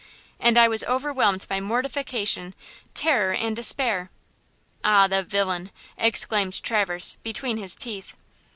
And I was overwhelmed by mortification, terror and despair!" "Ah, the villain!" exclaimed Traverse, between his teeth.